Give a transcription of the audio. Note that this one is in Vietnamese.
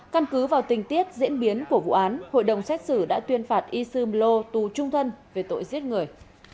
căn cứ vào tình tiết diễn biến của vụ án hội đồng xét xử đã tuyên phạt isumlo tù trung thân về tội giết người